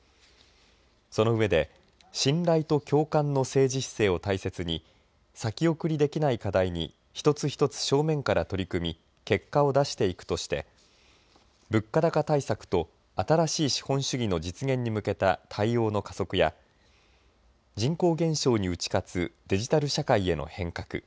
その上で信頼と共感の政治姿勢を大切に先送りできない課題に一つ一つ正面から取り組み結果を出していくとして物価高対策と新しい資本主義の実現に向けた対応の加速や人口減少に打ち勝つデジタル社会への変革